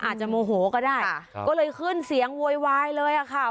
อาจจะโมโหก็ได้ก็เลยขึ้นเสียงโวยวายเลยอะค่ะ